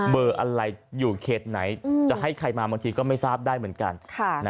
เบอร์อะไรอยู่เขตไหนจะให้ใครมาบางทีก็ไม่ทราบได้เหมือนกัน